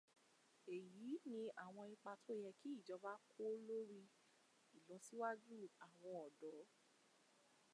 Èyí ni àwọn ìpa tó yẹ kí ìjọba kọ́ lórí ìlọsíwájú àwọn ọ̀dọ́.